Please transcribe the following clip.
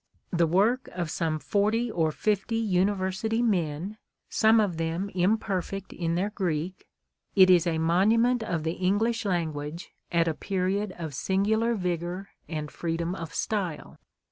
The work of some forty or fifty University men, some of them imperfect in their Greek, it is a monument of the English language at a period of singular vigor and freedom of style.